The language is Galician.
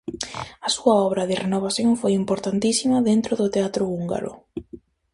A súa obra de renovación foi importantísima dentro do teatro húngaro.